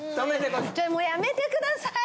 ちょやめてください！